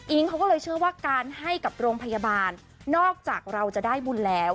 เขาก็เลยเชื่อว่าการให้กับโรงพยาบาลนอกจากเราจะได้บุญแล้ว